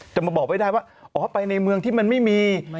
จะมาบอกไม่ได้ว่าอ๋อไปในเมืองที่มันไม่มี